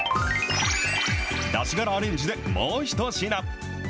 だしがらアレンジでもう一品。